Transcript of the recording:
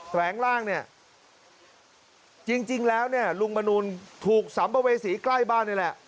แฝงร่างเนี่ยจริงแล้วเนี่ยลุงมนูลถูกสัมภเวษีใกล้บ้านนี่แหละ